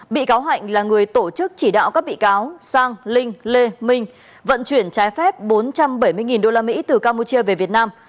bị cáo hạnh là người tổ chức chỉ đạo các bị cáo sang linh lê minh vận chuyển trái phép bốn trăm bảy mươi usd từ campuchia về việt nam